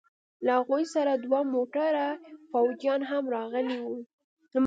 له هغوى سره دوه موټره فوجيان هم راغلي وو.